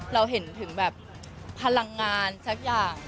เราเห็นถึงแบบพลังงานสักอย่าง